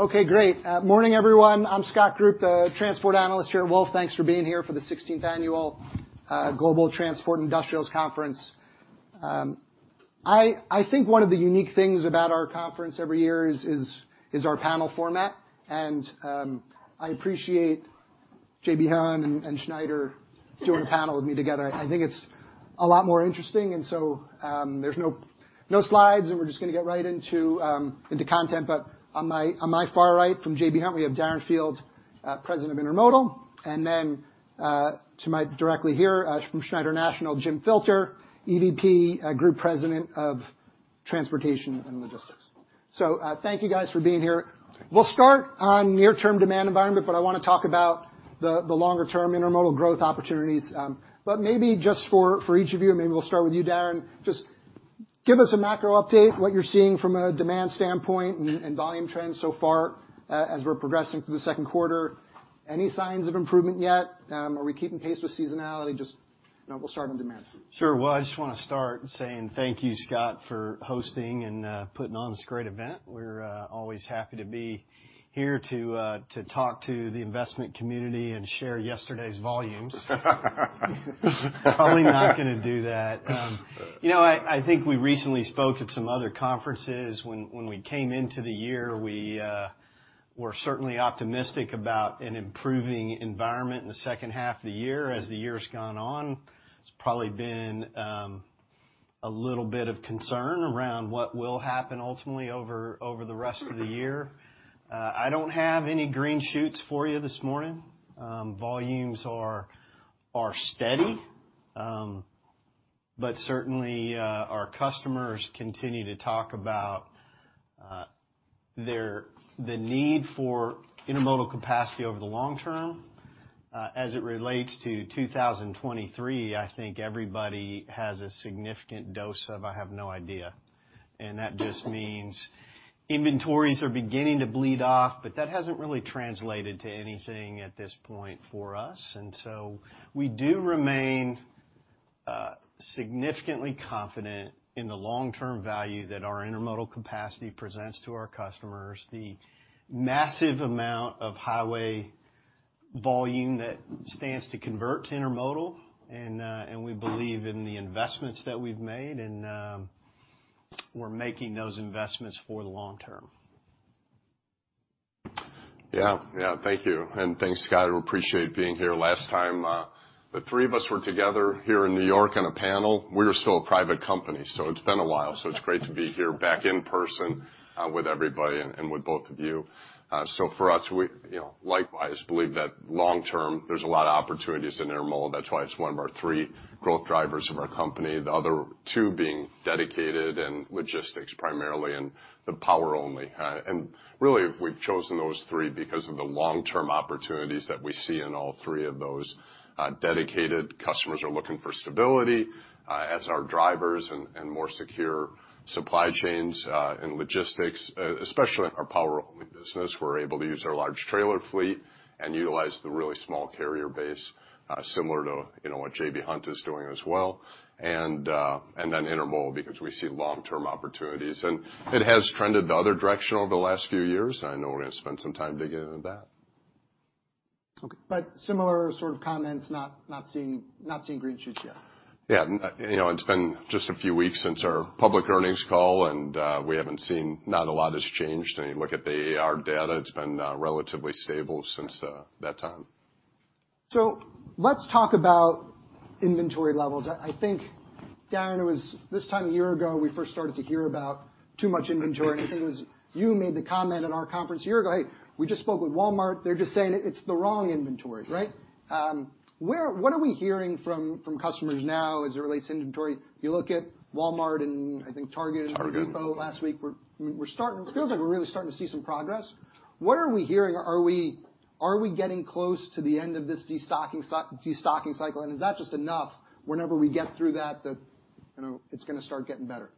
Okay, great. Morning, everyone. I'm Scott Group, the transport analyst here at Wolfe. Thanks for being here for the 16th Annual Global Transport Industrials Conference. I think one of the unique things about our conference every year is our panel format. I appreciate J.B. Hunt and Schneider doing a panel with me together. I think it's a lot more interesting. There's no slides, we're just gonna get right into content. On my far right from J.B. Hunt, we have Darren Field, President of Intermodal. To my, directly here, from Schneider National, Jim Filter, EVP, Group President of Transportation and Logistics. Thank you, guys, for being here. We'll start on near-term demand environment, I wanna talk about the longer-term intermodal growth opportunities. Maybe just for each of you, and maybe we'll start with you, Darren, just give us a macro update, what you're seeing from a demand standpoint and volume trends so far, as we're progressing through the second quarter. Any signs of improvement yet? Are we keeping pace with seasonality? Just, you know, we'll start on demand. Sure. Well, I just wanna start saying thank you, Scott, for hosting and putting on this great event. We're always happy to be here to talk to the investment community and share yesterday's volumes. Probably not gonna do that. You know, I think we recently spoke at some other conferences. When we came into the year, we were certainly optimistic about an improving environment in the second half of the year. As the year's gone on, it's probably been a little bit of concern around what will happen ultimately over the rest of the year. I don't have any green shoots for you this morning. Volumes are steady. But certainly, our customers continue to talk about the need for intermodal capacity over the long term. As it relates to 2023, I think everybody has a significant dose of, "I have no idea." That just means inventories are beginning to bleed off, but that hasn't really translated to anything at this point for us. We do remain significantly confident in the long-term value that our intermodal capacity presents to our customers, the massive amount of highway volume that stands to convert to intermodal, and we believe in the investments that we've made, and we're making those investments for the long term. Yeah. Yeah. Thank you. Thanks, Scott. We appreciate being here. Last time, the three of us were together here in New York on a panel, we were still a private company, it's been a while. It's great to be here back in person, with everybody and with both of you. For us, we, you know, likewise believe that long term, there's a lot of opportunities in intermodal. That's why it's one of our three growth drivers of our company, the other two being dedicated and logistics primarily and the power-only. Really, we've chosen those three because of the long-term opportunities that we see in all three of those. Dedicated customers are looking for stability, as are drivers and more secure supply chains, and logistics, especially in our power-only business. We're able to use our large trailer fleet and utilize the really small carrier base, similar to, you know, what J.B. Hunt is doing as well, and then intermodal because we see long-term opportunities. It has trended the other direction over the last few years. I know we're gonna spend some time digging into that. Okay. Similar sort of comments, not seeing green shoots yet. Yeah. You know, it's been just a few weeks since our public earnings call, and we haven't seen... Not a lot has changed. You look at the AAR data, it's been relatively stable since that time. Let's talk about inventory levels. I think, Darren, it was this time a year ago, we first started to hear about too much inventory. I think it was you who made the comment at our conference a year ago, "We just spoke with Walmart. They're just saying it's the wrong inventory," right? What are we hearing from customers now as it relates to inventory? You look at Walmart and I think Target and Home Depot last week. We're starting, it feels like we're really starting to see some progress. What are we hearing? Are we getting close to the end of this destocking cycle? Is that just enough whenever we get through that, you know, it's gonna start getting better?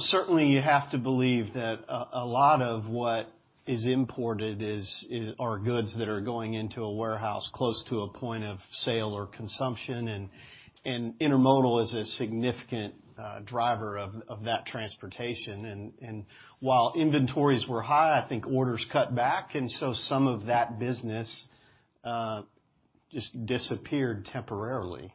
Certainly you have to believe that a lot of what is imported are goods that are going into a warehouse close to a point of sale or consumption, and intermodal is a significant driver of that transportation. While inventories were high, I think orders cut back, and so some of that business just disappeared temporarily.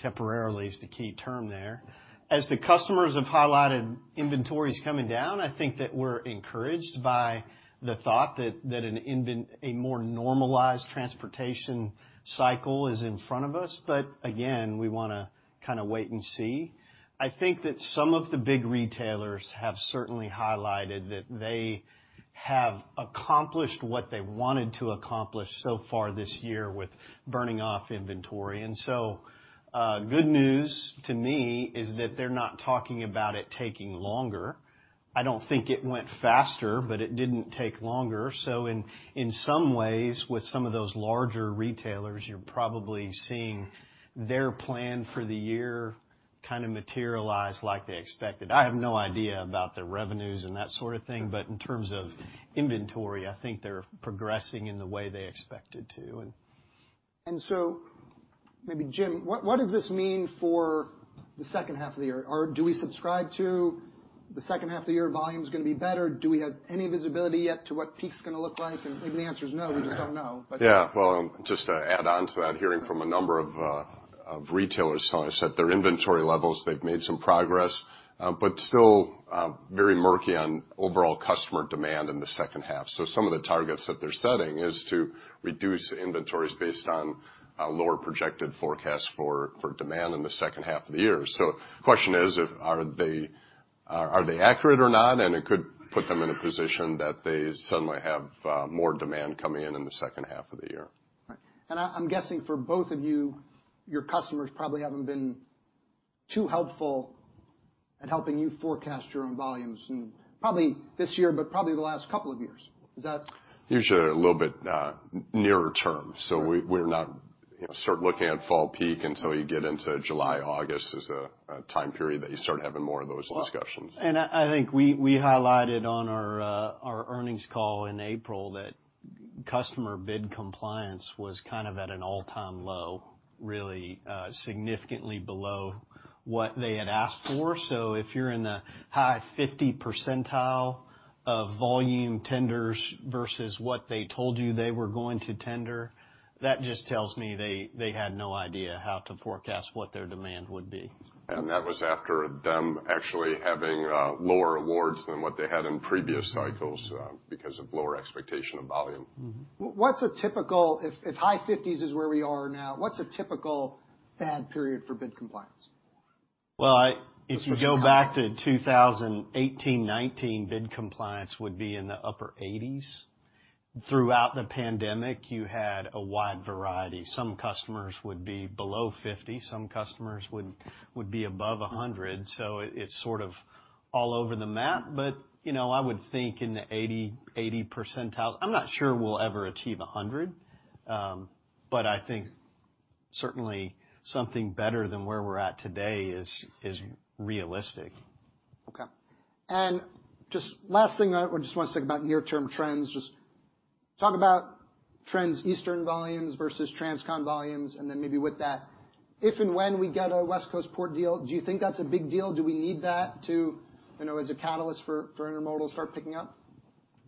Temporarily is the key term there. As the customers have highlighted inventories coming down, I think that we're encouraged by the thought that a more normalized transportation cycle is in front of us. Again, we wanna kinda wait and see. I think that some of the big retailers have certainly highlighted that they have accomplished what they wanted to accomplish so far this year with burning off inventory. Good news to me is that they're not talking about it taking longer. I don't think it went faster, but it didn't take longer. In some ways, with some of those larger retailers, you're probably seeing their plan for the year kinda materialize like they expected. I have no idea about the revenues and that sort of thing. In terms of inventory, I think they're progressing in the way they expected to and... Maybe, Jim, what does this mean for the second half of the year? Do we subscribe to the second half of the year volume's going to be better? Do we have any visibility yet to what peak's going to look like? Maybe the answer is no, we just don't know. Yeah. Well, just to add on to that, hearing from a number of retailers telling us that their inventory levels- they've made some progress, but still, very murky on overall customer demand in the second half. Some of the targets that they're setting is to reduce inventories based on lower projected forecasts for demand in the second half of the year. The question is are they accurate or not? It could put them in a position that they suddenly have more demand coming in in the second half of the year. Right. I'm guessing for both of you, your customers probably haven't been too helpful at helping you forecast your own volumes. Probably this year, but probably the last couple of years. Is that... Usually a little bit nearer term. We're not, you know, start looking at fall peak until you get into July. August is a time period that you start having more of those discussions. Well, I think we highlighted on our earnings call in April that customer bid compliance was kind of at an all-time low, really, significantly below what they had asked for. If you're in the high 50% of volume tenders versus what they told you they were going to tender, that just tells me they had no idea how to forecast what their demand would be. That was after them actually having lower awards than what they had in previous cycles because of lower expectation of volume. Mm-hmm. What's a typical... If high fifties is where we are now, what's a typical bad period for bid compliance? If you go back to 2018, 2019, bid compliance would be in the upper 80s. Throughout the pandemic, you had a wide variety. Some customers would be below 50, some customers would be above 100. It, it's sort of all over the map. You know, I would think in the 80 percentile. I'm not sure we'll ever achieve 100. I think certainly something better than where we're at today is realistic. Okay. Just last thing, I just want to talk about near-term trends. Just talk about trends, Eastern volumes versus Transcon volumes. Then maybe with that, if and when we get a West Coast port deal, do you think that's a big deal? Do we need that to, you know, as a catalyst for intermodal to start picking up?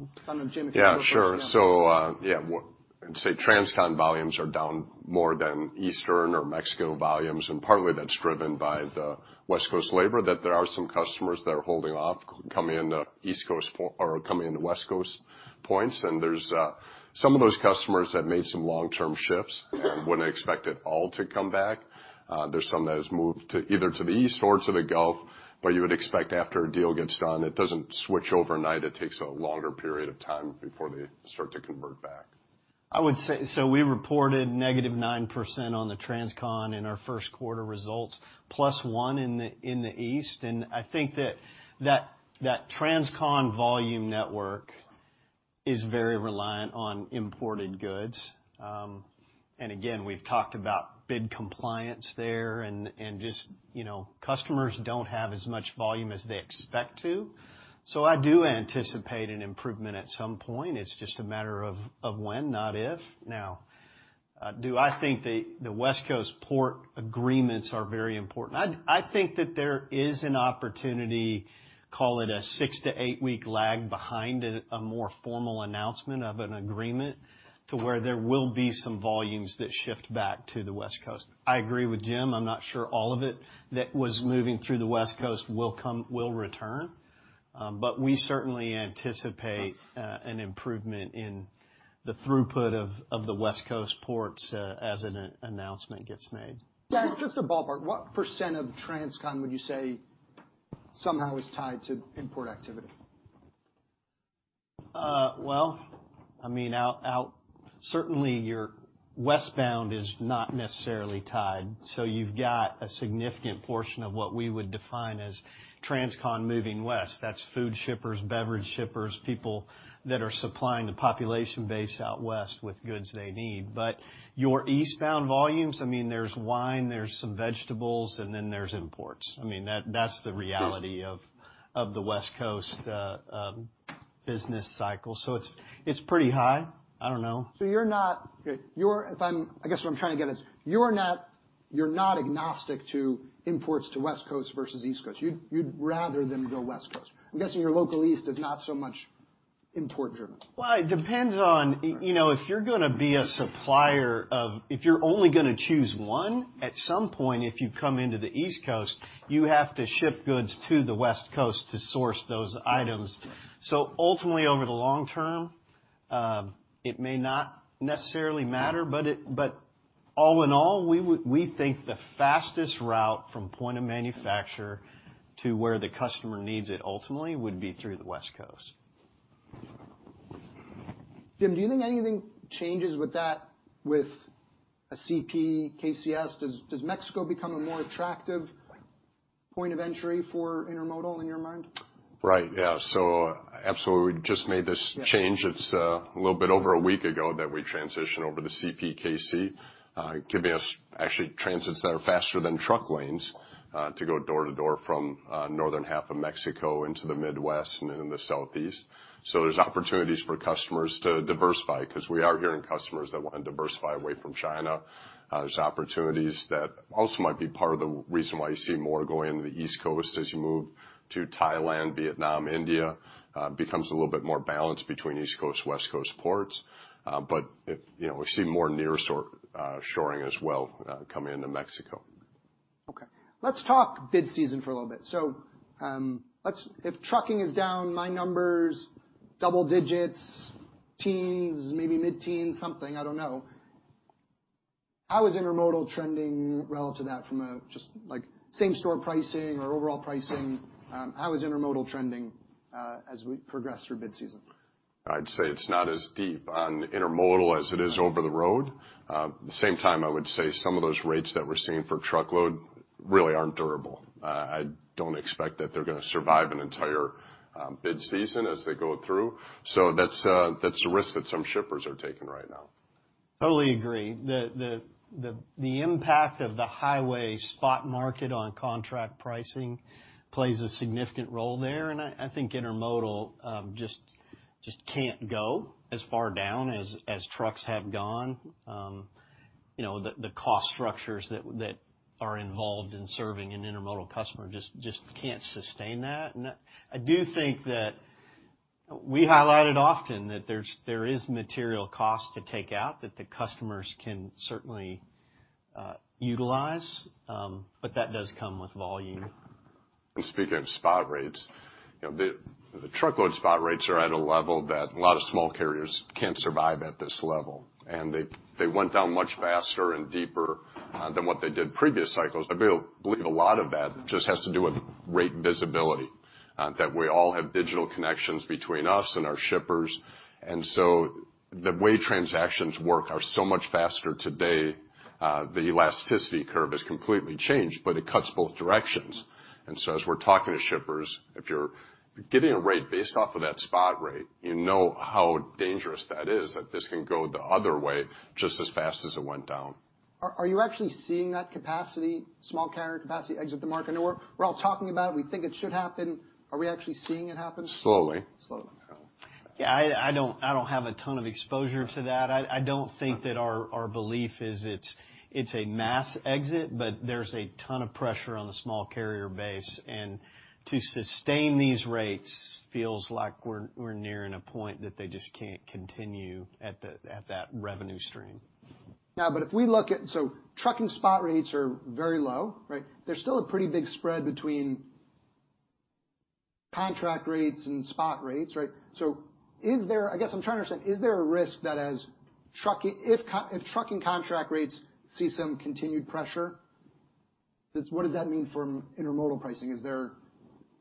I don't know, Jim, if you want to go first for me. Yeah, sure. Yeah. I'd say Transcon volumes are down more than Eastern or Mexico volumes, and partly that's driven by the West Coast labor, that there are some customers that are holding off coming into East Coast or coming into West Coast points. There's some of those customers have made some long-term shifts, and I wouldn't expect it all to come back. There's some that has moved to either to the East or to the Gulf. You would expect after a deal gets done, it doesn't switch overnight. It takes a longer period of time before they start to convert back. I would say, we reported -9% on the Transcon in our first quarter results, +1 in the East. I think that Transcon volume network is very reliant on imported goods. Again, we've talked about bid compliance there, and just, you know, customers don't have as much volume as they expect to. I do anticipate an improvement at some point. It's just a matter of when, not if. Now, do I think the West Coast port agreements are very important? I think that there is an opportunity, call it a six- to eight-week lag behind a more formal announcement of an agreement to where there will be some volumes that shift back to the West Coast. I agree with Jim. I'm not sure all of it that was moving through the West Coast will return. We certainly anticipate, an improvement in the throughput of the West Coast ports, as an announcement gets made. Just a ballpark. What percent of Transcon would you say somehow is tied to import activity? Well, I mean, certainly your westbound is not necessarily tied, you've got a significant portion of what we would define as Transcon moving West. That's food shippers, beverage shippers, people that are supplying the population base out west with goods they need. Your eastbound volumes, I mean, there's wine, there's some vegetables, and then there's imports. I mean, that's the reality of the West Coast business cycle. It's, it's pretty high. I don't know. I guess, what I'm trying to get is, you're not agnostic to imports to West Coast versus East Coast. You'd rather them go West Coast. I'm guessing your local East is not so much import-driven. Well, it depends on, you know, if you're gonna be a supplier. If you're only gonna choose one, at some point, if you come into the East Coast, you have to ship goods to the West Coast to source those items. Ultimately, over the long term, it may not necessarily matter, but all in all, we think the fastest route from point of manufacturer to where the customer needs it ultimately would be through the West Coast. Jim, do you think anything changes with that with a CP, KCS? Does Mexico become a more attractive point of entry for intermodal in your mind? Right. Yeah. Absolutely, we just made this change. It's a little bit over a week ago that we transitioned over to CPKC, giving us actually transits that are faster than truck lanes, to go door to door from northern half of Mexico into the Midwest and into the Southeast. There's opportunities for customers to diversify because we are hearing customers that want to diversify away from China. There's opportunities that also might be part of the reason why you see more going into the East Coast as you move to Thailand, Vietnam, India. Becomes a little bit more balanced between East Coast, West Coast ports. But if, you know, we see more near-shoring as well, coming into Mexico. Okay. Let's talk bid season for a little bit. If trucking is down, my number's double digits, teens, maybe mid-teens, something, I don't know. How is intermodal trending relative to that from a just, like same store pricing or overall pricing? How is intermodal trending as we progress through bid season? I'd say it's not as deep on intermodal as it is over the road. At the same time, I would say some of those rates that we're seeing for truckload really aren't durable. I don't expect that they're gonna survive an entire bid season as they go through. That's, that's a risk that some shippers are taking right now. Totally agree. The impact of the highway spot market on contract pricing plays a significant role there. I think intermodal just can't go as far down as trucks have gone. You know, the cost structures that are involved in serving an intermodal customer just can't sustain that. I do think that we highlight it often that there is material cost to take out that the customers can certainly utilize, but that does come with volume. Speaking of spot rates, you know, the truckload spot rates are at a level that a lot of small carriers can't survive at this level, and they went down much faster and deeper than what they did previous cycles. I believe a lot of that just has to do with rate visibility that we all have digital connections between us and our shippers. The way transactions work are so much faster today, the elasticity curve has completely changed, but it cuts both directions. As we're talking to shippers, if you're getting a rate based off of that spot rate, you know how dangerous that is, that this can go the other way just as fast as it went down. Are you actually seeing that capacity, small carrier capacity exit the market? I know we're all talking about it. We think it should happen. Are we actually seeing it happen? Slowly. Slowly. I don't have a ton of exposure to that. I don't think that our belief is it's a mass exit, but there's a ton of pressure on the small carrier base. To sustain these rates feels like we're nearing a point that they just can't continue at that revenue stream. If we look at... Trucking spot rates are very low, right? There's still a pretty big spread between contract rates and spot rates, right? I guess I'm trying to understand, is there a risk that if trucking contract rates see some continued pressure, what does that mean for intermodal pricing? Is there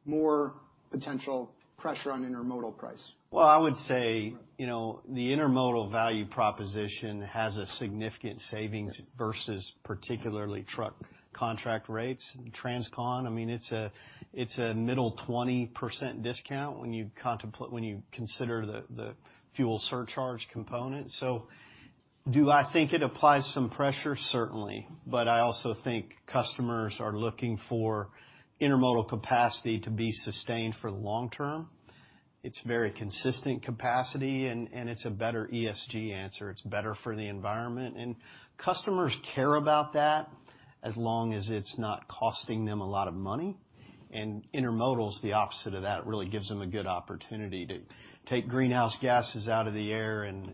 more potential pressure on intermodal price? Well, I would say, you know, the intermodal value proposition has a significant savings versus particularly truck contract rates. Transcon, I mean, it's a, it's a middle 20% discount when you consider the fuel surcharge component. Do I think it applies some pressure? Certainly. I also think customers are looking for intermodal capacity to be sustained for the long term. It's very consistent capacity, and it's a better ESG answer. It's better for the environment. Customers care about that as long as it's not costing them a lot of money. Intermodal is the opposite of that. It really gives them a good opportunity to take greenhouse gases out of the air and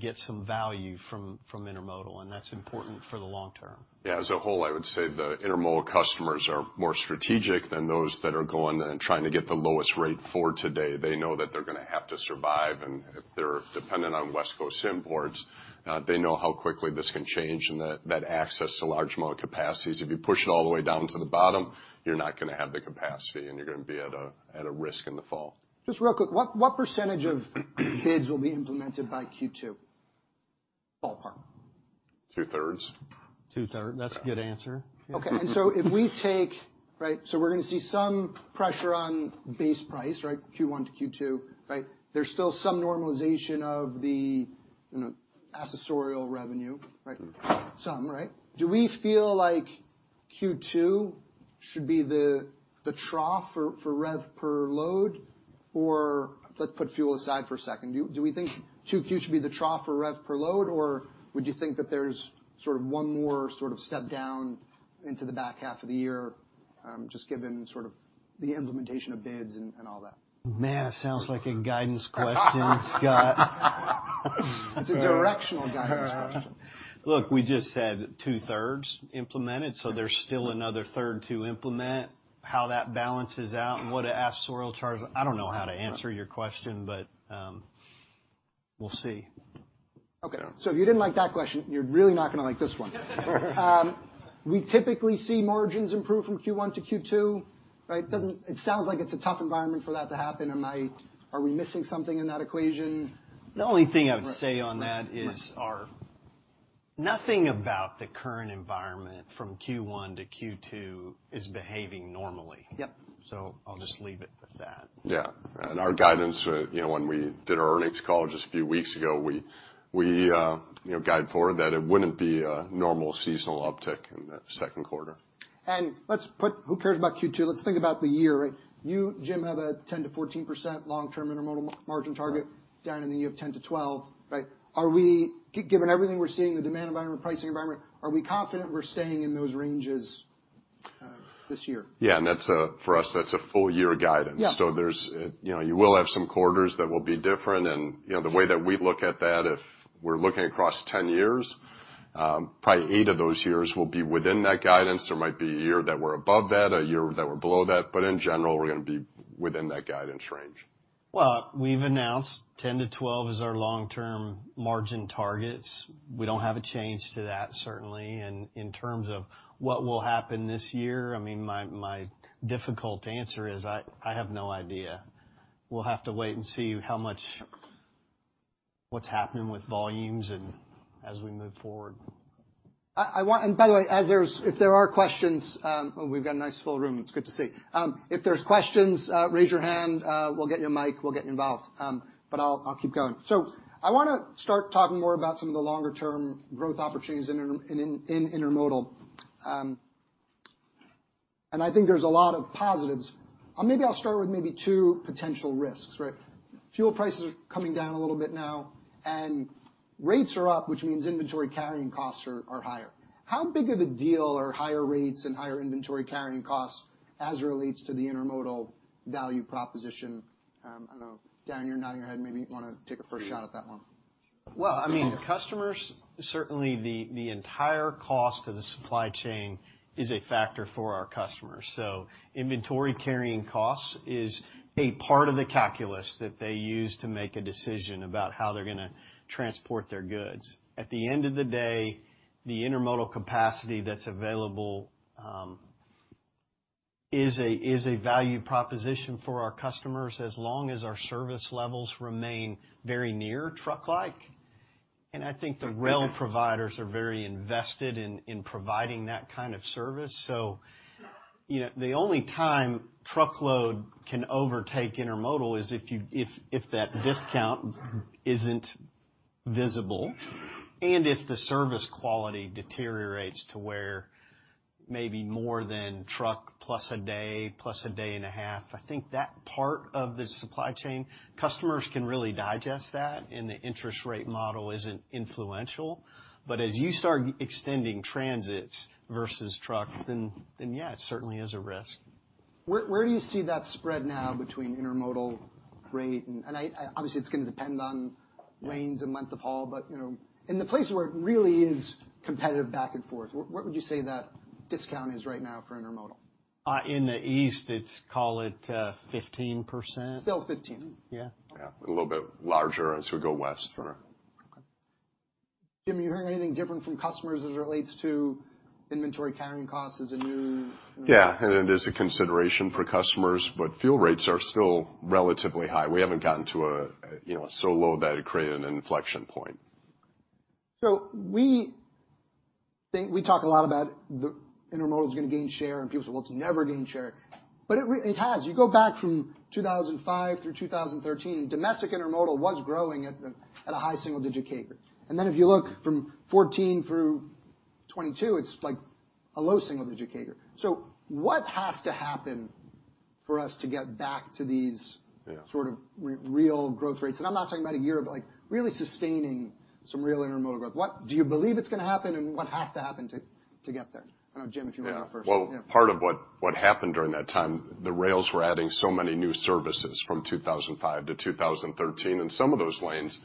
get some value from intermodal, and that's important for the long term. Yeah. As a whole, I would say the intermodal customers are more strategic than those that are going and trying to get the lowest rate for today. They know that they're gonna have to survive. If they're dependent on West Coast imports, they know how quickly this can change and that access to large mode capacities, if you push it all the way down to the bottom, you're not gonna have the capacity, and you're gonna be at a risk in the fall. Just real quick, what percent of bids will be implemented by Q2? Ballpark. Two-thirds. Two-third, that's a good answer. Okay. If we take... Right? We're gonna see some pressure on base price, right? Q1 to Q2, right? There's still some normalization of the, you know, accessorial revenue, right? Some, right? Do we feel like Q2 should be the trough for revenue per load? Or let's put fuel aside for a second. Do we think Q2 should be the trough for revenue per load, or would you think that there's sort of one more sort of step down into the back half of the year, just given sort of the implementation of bids and all that? Man, it sounds like a guidance question, Scott. It's a directional guidance question. Look, we just said 2/3 implemented, so there's still another 1/3 to implement. How that balances out and what accessorial charges, I don't know how to answer your question, but, we'll see. Okay. If you didn't like that question, you're really not gonna like this one. We typically see margins improve from Q1 to Q2, right? It sounds like it's a tough environment for that to happen. Are we missing something in that equation? The only thing I would say on that is our... Nothing about the current environment from Q1 to Q2 is behaving normally. Yep. I'll just leave it at that. Yeah. Our guidance, you know, when we did our earnings call just a few weeks ago, we, you know, guided forward that it wouldn't be a normal seasonal uptick in the second quarter. Who cares about Q2? Let's think about the year, right? You, Jim, have a 10%-14% long-term intermodal margin target. Darren, then you have 10%-12%, right? Are we, given everything we're seeing in the demand environment, pricing environment, are we confident we're staying in those ranges this year? Yeah. That's for us, that's a full year guidance. Yeah. There's, you know, you will have some quarters that will be different. You know, the way that we look at that, if we're looking across 10 years, probably eight of those years will be within that guidance. There might be a year that we're above that, a year that we're below that, but in general, we're going to be within that guidance range. Well, we've announced 10%-12% as our long-term margin targets. We don't have a change to that, certainly. In terms of what will happen this year, I mean, my difficult answer is I have no idea. We'll have to wait and see what's happening with volumes as we move forward. By the way, if there are questions, we've got a nice full room. It's good to see. If there's questions, raise your hand, we'll get you a mic, we'll get you involved. I'll keep going. I want to start talking more about some of the longer term growth opportunities in intermodal. I think there's a lot of positives. Maybe I'll start with two potential risks, right? Fuel prices are coming down a little bit now, rates are up, which means inventory carrying costs are higher. How big of a deal are higher rates and higher inventory carrying costs as it relates to the intermodal value proposition? I don't know. Darren, you're nodding your head. Maybe you want to take a first shot at that one. I mean, customers, certainly the entire cost of the supply chain is a factor for our customers. Inventory carrying costs is a part of the calculus that they use to make a decision about how they're going to transport their goods. At the end of the day, the intermodal capacity that's available is a, is a value proposition for our customers as long as our service levels remain very near truck like. I think the rail providers are very invested in providing that kind of service. You know, the only time truckload can overtake intermodal is if that discount isn't visible and if the service quality deteriorates to where maybe more than truck plus a day, plus a day and a half. I think that part of the supply chain, customers can really digest that and the interest rate model isn't influential. As you start extending transits versus truck, then yeah, it certainly is a risk. Where do you see that spread now between intermodal rate? I, obviously, it's going to depend on lanes and length of haul, but, you know, in the places where it really is competitive back and forth, what would you say that discount is right now for intermodal? In the east, it's, call it 15%. Still 15%. Yeah. Yeah. A little bit larger as we go west. Sure. Okay. Jim, are you hearing anything different from customers as it relates to inventory carrying costs as a new... Yeah. It is a consideration for customers, but fuel rates are still relatively high. We haven't gotten to a, you know, so low that it created an inflection point. We think, we talk a lot about the intermodal is going to gain share, and people say, "Well, it's never gain share," but it has. You go back from 2005 through 2013, domestic intermodal was growing at a high single-digit CAGR. If you look from 2014 through 2022, it's like a low single-digit CAGR. What has to happen for us to get back to these- Yeah.... sort of real growth rates? I'm not talking about a year, but, like, really sustaining some real intermodal growth. What do you believe it's going to happen, and what has to happen to get there? I don't know, Jim, if you want to go first. Yeah. Yeah. Part of what happened during that time, the rails were adding so many new services from 2005 to 2013, and some of those lanes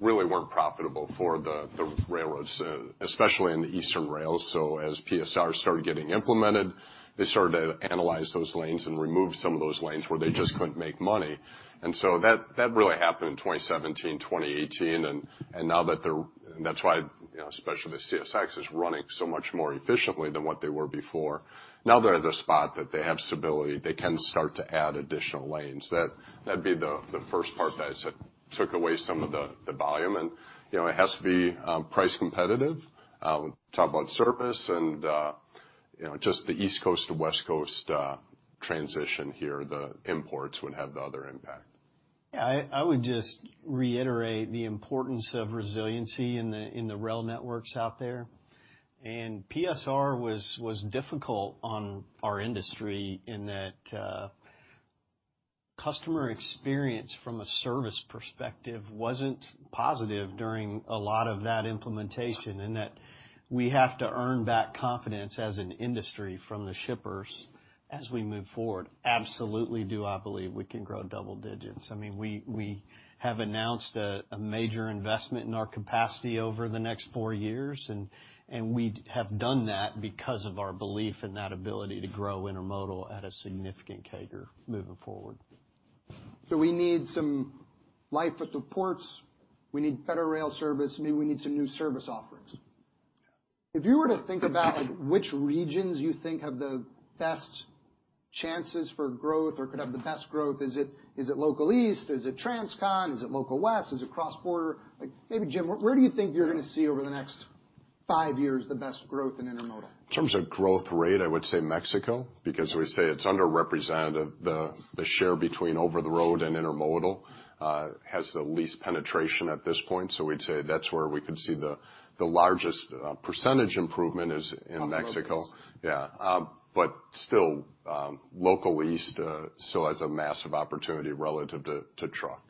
really weren't profitable for the railroads, especially in the eastern rails. As PSR started getting implemented, they started to analyze those lanes and remove some of those lanes where they just couldn't make money. That really happened in 2017, 2018. Now that they're, and that's why, you know, especially the CSX is running so much more efficiently than what they were before. Now they're at the spot that they have stability, they can start to add additional lanes. That'd be the first part that I'd say took away some of the volume. You know, it has to be price competitive. Talk about service and, you know, just the East Coast to West Coast transition here, the imports would have the other impact. I would just reiterate the importance of resiliency in the rail networks out there. PSR was difficult on our industry in that customer experience from a service perspective wasn't positive during a lot of that implementation, and that we have to earn back confidence as an industry from the shippers as we move forward. Absolutely do I believe we can grow double digits. I mean, we have announced a major investment in our capacity over the next four years, and we have done that because of our belief in that ability to grow intermodal at a significant CAGR moving forward. We need some life at the ports. We need better rail service. Maybe we need some new service offerings. If you were to think about like which regions you think have the best chances for growth or could have the best growth, is it local East? Is it Transcon? Is it local West? Is it cross-border? Like maybe, Jim, where do you think you're going to see over the next five years the best growth in intermodal? In terms of growth rate, I would say Mexico, because we say it's underrepresented. The share between over the road and intermodal has the least penetration at this point. We'd say that's where we could see the largest percentage improvement is in Mexico. Off the coast. Yeah. Still, local East still has a massive opportunity relative to truck.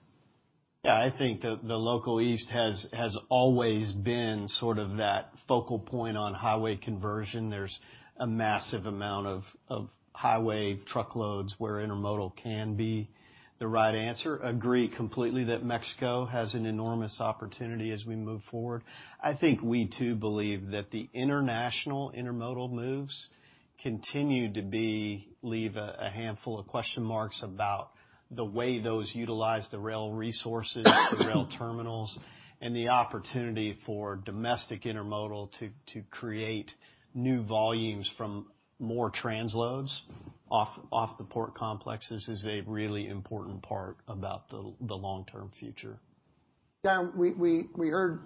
Yeah, I think the local East has always been sort of that focal point on highway conversion. There's a massive amount of highway truckloads where intermodal can be the right answer. Agree completely that Mexico has an enormous opportunity as we move forward. I think we, too, believe that the international intermodal moves leave a handful of question marks about the way those utilize the rail resources, the rail terminals, and the opportunity for domestic intermodal to create new volumes from more transloads off the port complexes is a really important part about the long-term future. Darren, we heard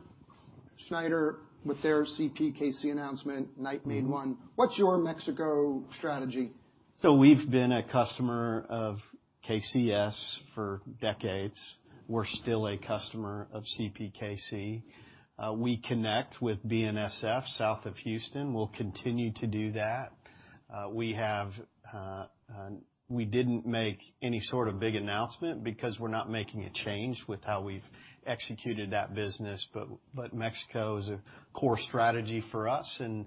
Schneider with their CPKC announcement night made one. What's your Mexico strategy? We've been a customer of KCS for decades. We're still a customer of CPKC. We connect with BNSF south of Houston. We'll continue to do that. We have, we didn't make any sort of big announcement because we're not making a change with how we've executed that business, but Mexico is a core strategy for us, and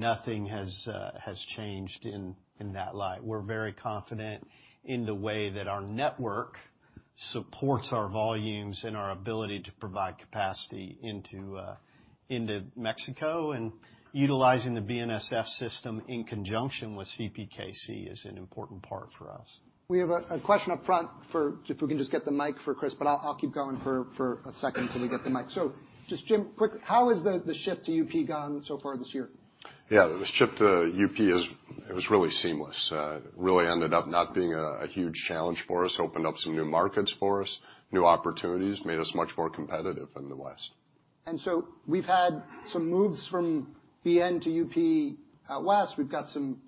nothing has changed in that light. We're very confident in the way that our network supports our volumes and our ability to provide capacity into Mexico, and utilizing the BNSF system in conjunction with CPKC is an important part for us. We have a question up front for if we can just get the mic for Chris, but I'll keep going for a second till we get the mic. Just, Jim, quick, how has the shift to UP gone so far this year? Yeah. The shift to UP is, it was really seamless. It really ended up not being a huge challenge for us. Opened up some new markets for us, new opportunities, made us much more competitive in the West. We've had some moves from BN to UP out west. We've got some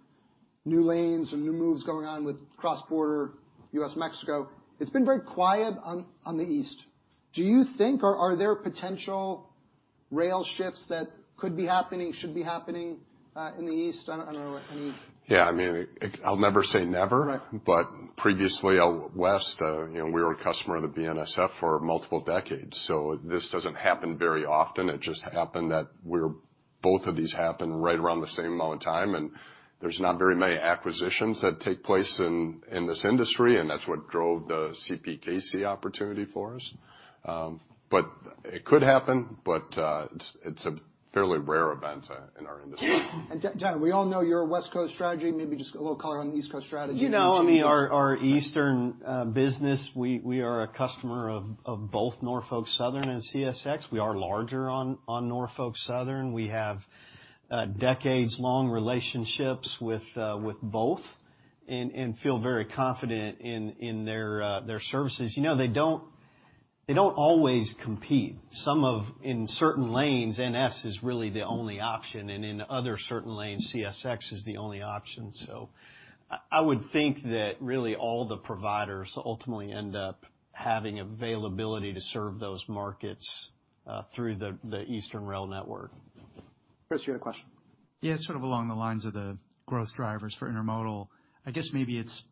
new lanes and new moves going on with cross-border U.S./Mexico. It's been very quiet on the East. Do you think are there potential rail shifts that could be happening, should be happening in the East? Yeah, I mean, I'll never say never. Right. Previously out west, you know, we were a customer of the BNSF for multiple decades, this doesn't happen very often. It just happened that both of these happened right around the same amount of time, there's not very many acquisitions that take place in this industry, that's what drove the CPKC opportunity for us. It could happen, it's a fairly rare event in our industry. Dan, we all know your West Coast strategy. Maybe just a little color on the East Coast strategy. Any changes? You know, I mean, our Eastern business, we are a customer of both Norfolk Southern and CSX. We are larger on Norfolk Southern. We have decades-long relationships with both and feel very confident in their services. You know, they don't always compete. In certain lanes, NS is really the only option, and in other certain lanes, CSX is the only option. I would think that really all the providers ultimately end up having availability to serve those markets through the eastern rail network. Chris, you had a question. Sort of along the lines of the growth drivers for intermodal. I guess maybe it's,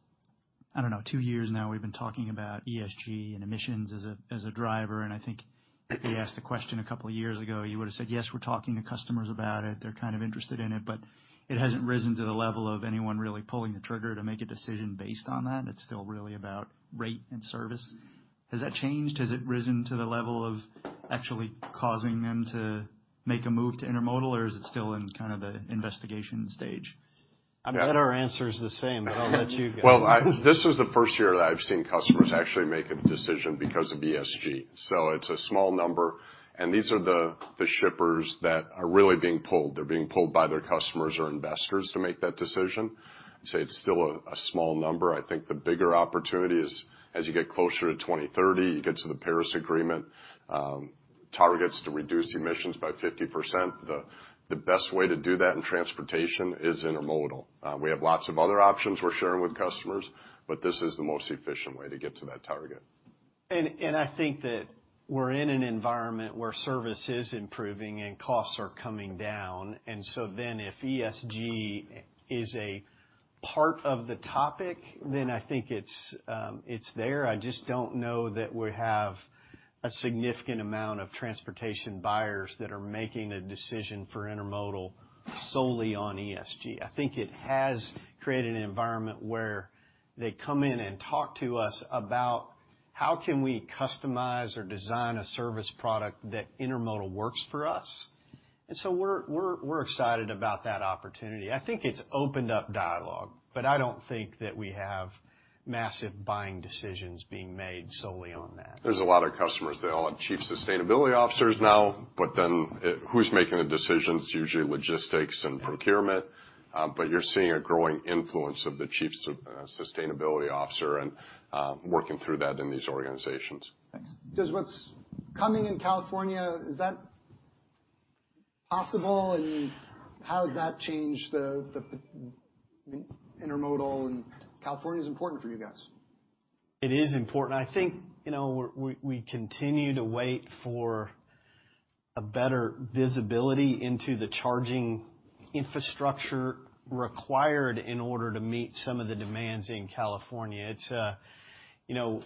I don't know, two years now we've been talking about ESG and emissions as a driver, and I think if you asked the question a couple of years ago, you would have said, "Yes, we're talking to customers about it. They're kind of interested in it, but it hasn't risen to the level of anyone really pulling the trigger to make a decision based on that. It's still really about rate and service." Has that changed? Has it risen to the level of actually causing them to make a move to intermodal, or is it still in kind of the investigation stage? I bet our answer is the same, but I'll let you go. This is the first year that I've seen customers actually make a decision because of ESG. It's a small number, and these are the shippers that are really being pulled. They're being pulled by their customers or investors to make that decision. I'd say it's still a small number. I think the bigger opportunity is, as you get closer to 2030, you get to the Paris Agreement targets to reduce emissions by 50%. The best way to do that in transportation is intermodal. We have lots of other options we're sharing with customers, but this is the most efficient way to get to that target. I think that we're in an environment where service is improving and costs are coming down. If ESG is a part of the topic, then I think it's there. I just don't know that we have a significant amount of transportation buyers that are making a decision for intermodal solely on ESG. I think it has created an environment where they come in and talk to us about how can we customize or design a service product that intermodal works for us. We're excited about that opportunity. I think it's opened up dialogue, but I don't think that we have massive buying decisions being made solely on that. There's a lot of customers, they all have Chief Sustainability Officers now. Who's making the decisions? Usually logistics and procurement. You're seeing a growing influence of the Chiefs of Sustainability Officer and working through that in these organizations. Thanks. Does what's coming in California, is that possible, and how does that change the intermodal? California is important for you guys. It is important. I think, you know, we continue to wait for a better visibility into the charging infrastructure required in order to meet some of the demands in California. It's, you know,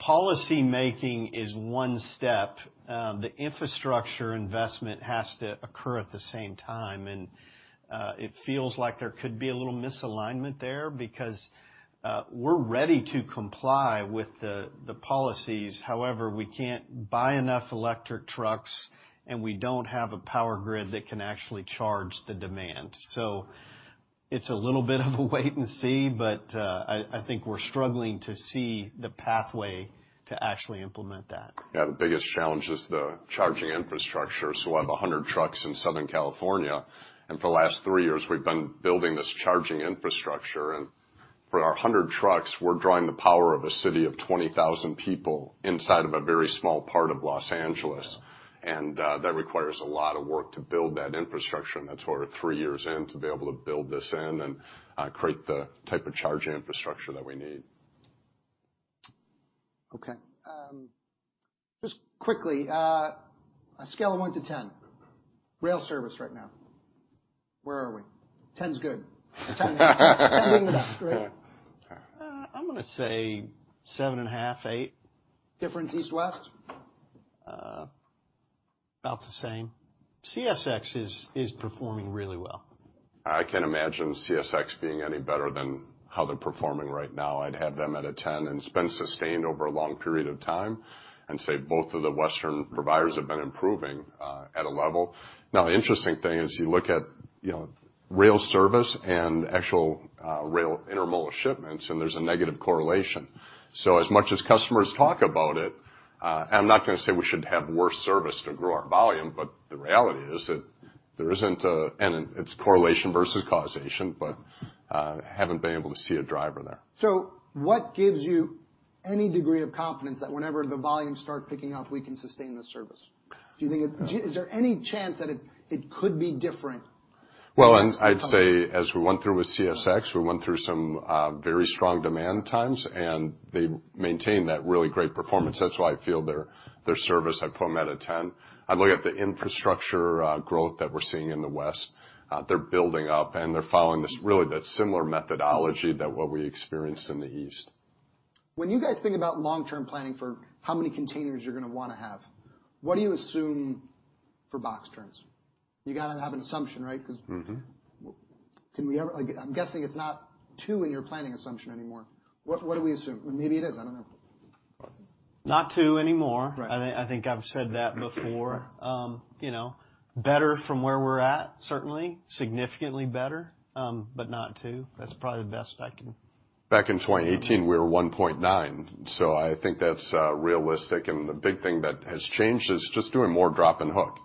policymaking is one step. The infrastructure investment has to occur at the same time, and it feels like there could be a little misalignment there because we're ready to comply with the policies. However, we can't buy enough electric trucks, and we don't have a power grid that can actually charge the demand. It's a little bit of a wait and see, but I think we're struggling to see the pathway to actually implement that. Yeah. The biggest challenge is the charging infrastructure. We'll have 100 trucks in Southern California, and for the last three years, we've been building this charging infrastructure. For our 100 trucks, we're drawing the power of a city of 20,000 people inside of a very small part of Los Angeles. Yeah. That requires a lot of work to build that infrastructure, and that's why we're three years in to be able to build this in and create the type of charging infrastructure that we need. Just quickly, a scale of one to 10, rail service right now, where are we? 10's good. 10 being the best. Great. I'm gonna say seven and a half, eight. Difference East, West? About the same. CSX is performing really well. I can't imagine CSX being any better than how they're performing right now. I'd have them at a 10, and it's been sustained over a long period of time and say both of the Western providers have been improving at a level. The interesting thing is you look at rail service and actual rail intermodal shipments, and there's a negative correlation. As much as customers talk about it, and I'm not gonna say we should have worse service to grow our volume, but the reality is that there isn't a and it's correlation versus causation, but, haven't been able to see a driver there. What gives you any degree of confidence that whenever the volumes start picking up, we can sustain the service? Do you think Is there any chance that it could be different? I'd say as we went through with CSX, we went through some very strong demand times, and they maintained that really great performance. That's why I feel their service, I put them at a 10. I look at the infrastructure growth that we're seeing in the West. They're building up, and they're following this really the similar methodology that what we experienced in the East. When you guys think about long-term planning for how many containers you're gonna wanna have, what do you assume for box turns? You gotta have an assumption, right? Mm-hmm. Can we ever... I'm guessing it's not two in your planning assumption anymore. What do we assume? Maybe it is, I don't know. Not two anymore. Right. I think I've said that before. You know, better from where we're at, certainly. Significantly better, but not two. That's probably the best I can. Back in 2018, we were 1.9, so I think that's realistic. The big thing that has changed is just doing more drop and hook.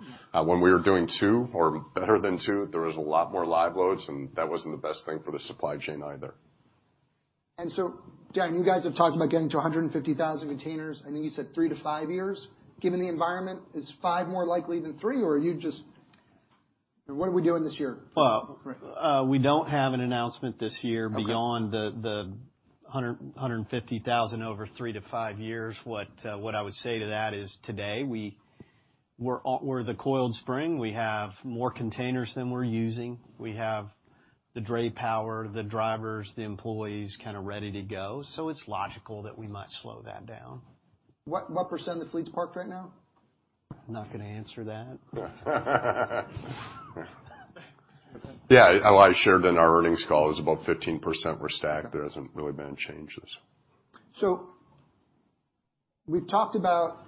When we were doing two or better than two, there was a lot more live loads, and that wasn't the best thing for the supply chain either. Dan, you guys have talked about getting to 150,000 containers. I know you said three to five years. Given the environment, is five more likely than three, or are you just? What are we doing this year? Well, we don't have an announcement this year- Okay.... beyond the 150,000 over three to five years. What I would say to that is today we're the coiled spring. We have more containers than we're using. We have the dray power, the drivers, the employees kinda ready to go, so it's logical that we might slow that down. What percent of the fleet's parked right now? Not gonna answer that. Yeah. Well, I shared in our earnings call it was about 15% were stacked. There hasn't really been changes. We've talked about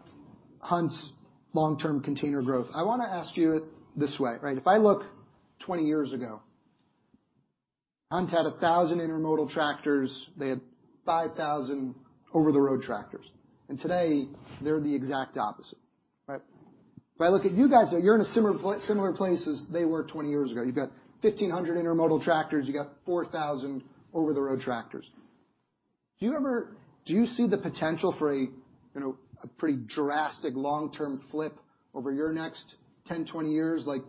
Hunt's long-term container growth. I wanna ask you it this way, right? If I look 20 years ago, Hunt had 1,000 intermodal tractors. They had 5,000 over-the-road tractors. Today, they're the exact opposite, right? If I look at you guys, you're in a similar place as they were 20 years ago. You've got 1,500 intermodal tractors. You got 4,000 over-the-road tractors. Do you ever see the potential for a, you know, a pretty drastic long-term flip over your next 10, 20 years, like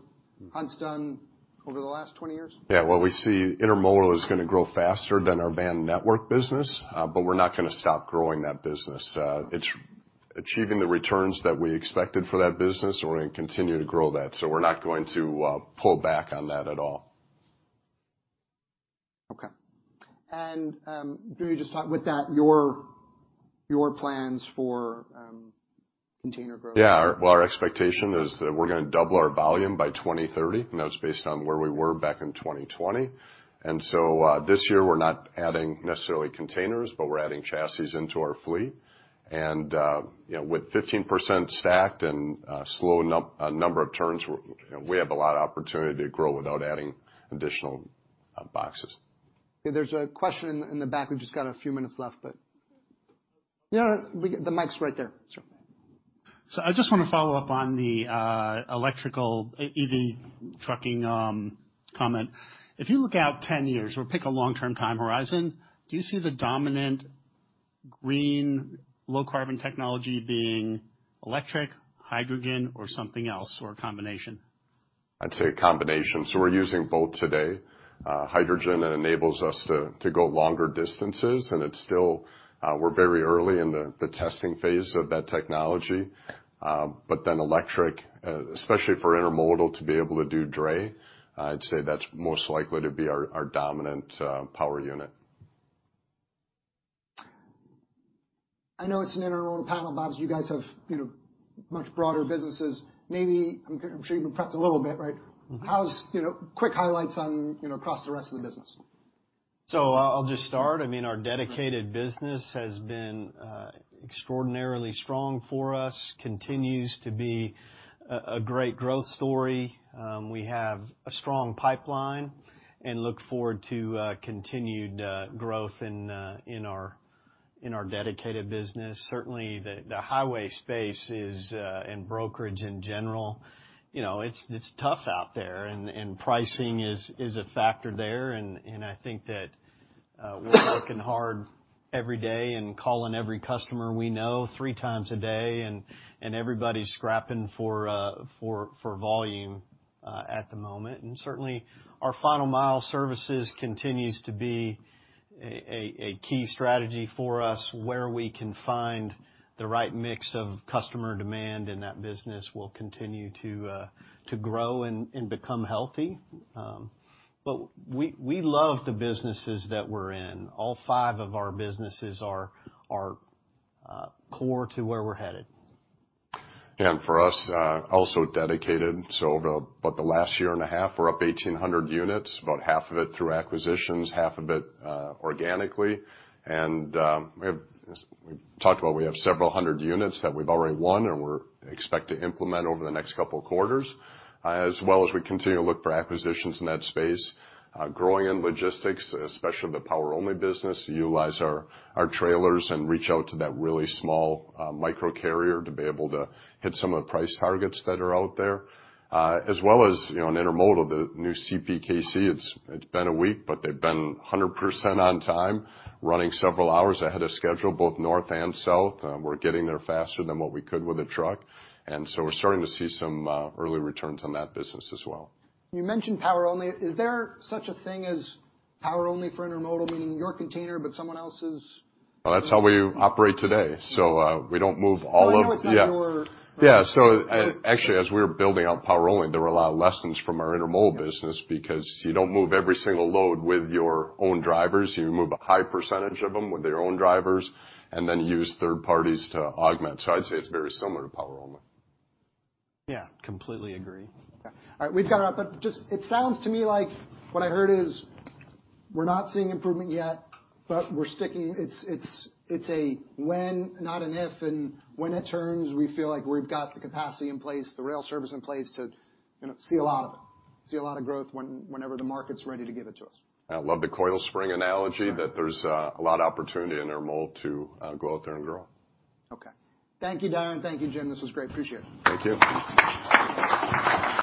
Hunt's done over the last 20 years? Yeah. Well, we see intermodal is gonna grow faster than our van network business. We're not gonna stop growing that business. It's achieving the returns that we expected for that business. We're gonna continue to grow that. We're not going to pull back on that at all. Okay. Maybe just talk with that, your plans for container growth. Yeah. Well, our expectation is that we're gonna double our volume by 2030. That was based on where we were back in 2020. This year we're not adding necessarily containers, but we're adding chassis into our fleet. You know, with 15% stacked and a slow number of turns, we have a lot of opportunity to grow without adding additional There's a question in the back. We've just got a few minutes left, but. Yeah, the mic's right there. Sure. I just wanna follow up on the electrical EV trucking comment. If you look out 10 years or pick a long-term time horizon, do you see the dominant green low-carbon technology being electric, hydrogen or something else, or a combination? I'd say a combination. We're using both today. Hydrogen enables us to go longer distances, and it's still, we're very early in the testing phase of that technology. Electric, especially for intermodal, to be able to do dray, I'd say that's most likely to be our dominant power unit. I know it's an intermodal panel. But, you guys have, you know, much broader businesses. I'm sure you've been prepped a little bit, right? Mm-hmm. How's, you know, quick highlights on, you know, across the rest of the business. I'll just start. I mean, our dedicated business has been extraordinarily strong for us, continues to be a great growth story. We have a strong pipeline and look forward to continued growth in our dedicated business. Certainly the highway space is and brokerage in general, you know, it's tough out there, and pricing is a factor there. I think that we're working hard every day and calling every customer we know three times a day and everybody's scrapping for volume at the moment. Certainly our final mile services continues to be a key strategy for us where we can find the right mix of customer demand, and that business will continue to grow and become healthy. We love the businesses that we're in. All five of our businesses are core to where we're headed. For us, also dedicated. About the last year and a half, we're up 1,800 units, about half of it through acquisitions, half of it organically. We've talked about we have several hundred units that we've already won and expect to implement over the next couple of quarters, as well as we continue to look for acquisitions in that space, growing in logistics, especially the power-only business, utilize our trailers and reach out to that really small micro carrier to be able to hit some of the price targets that are out there. As well as, you know, in Intermodal, the new CPKC. It's been a week, but they've been 100% on time, running several hours ahead of schedule, both north and south. We're getting there faster than what we could with a truck, and so we're starting to see some early returns on that business as well. You mentioned power-only. Is there such a thing as power-only for intermodal, meaning your container but someone else's? That's how we operate today. We don't move all of... No, I know it's not your... Yeah. Actually, as we were building out power-only, there were a lot of lessons from our intermodal business because you don't move every single load with your own drivers. You move a high % of them with your own drivers and then use third parties to augment. I'd say it's very similar to power-only. Yeah, completely agree. Okay. All right. We've got to wrap up. Just, it sounds to me like what I heard is we're not seeing improvement yet, but we're sticking. It's a when, not an if. When it turns, we feel like we've got the capacity in place, the rail service in place to, you know, see a lot of it, see a lot of growth when, whenever the market's ready to give it to us. I love the coil spring analogy, that there's a lot of opportunity in intermodal to go out there and grow. Okay. Thank you, Darren. Thank you, Jim. This was great. Appreciate it. Thank you.